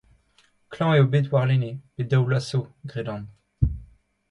Klañv eo bet warlene, pe daou vloaz 'zo, gredan.